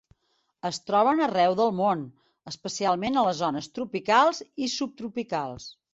Es troben arreu del món, especialment a les zones tropicals i subtropicals.